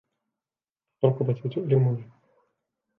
ركبتي تؤلمني.